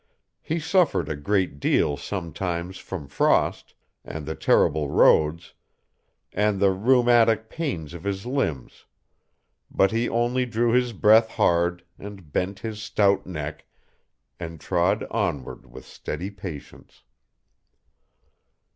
He suffered a great deal sometimes from frost, and the terrible roads, and the rheumatic pains of his limbs, but he only drew his breath hard and bent his stout neck, and trod onward with steady patience.